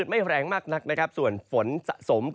ไม่แข็งแรงมากส่วนฝนสะสม